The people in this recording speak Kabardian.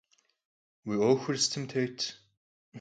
Vui 'uexur sıtım têt?